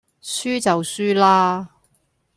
輸就輸喇